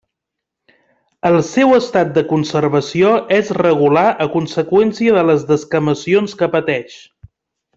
El seu estat de conservació és regular a conseqüència de les descamacions que pateix.